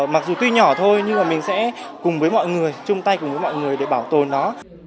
mặc dù tuy nhỏ thôi nhưng mà mình sẽ cùng với mọi người chung tay cùng với mọi người để bảo tồn nó